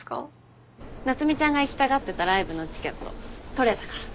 夏海ちゃんが行きたがってたライブのチケット取れたから。